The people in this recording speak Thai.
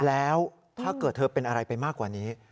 แล้วถ้าเกิดเธอเป็นอะไรไปมากกว่านี้